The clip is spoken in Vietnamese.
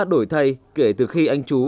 đổi thay kể từ khi anh chú